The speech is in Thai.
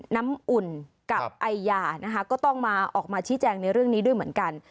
น้ำอุ่นกับไอยานะคะก็ต้องมาออกมาชี้แจงในเรื่องนี้ด้วยเหมือนกัน